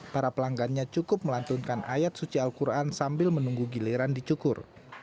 para pelanggannya cukup melantunkan ayat suci al quran sambil menunggu giliran dicukur